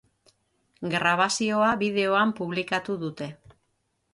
Grabazioa bideoan publikatu dute.